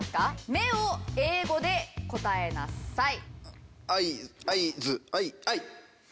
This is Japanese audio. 「耳」を英語で答えなさい。